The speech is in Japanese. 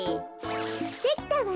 できたわ。